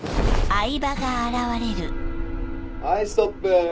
はいストップ。